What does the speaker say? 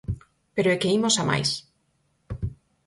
Pero é que imos a máis.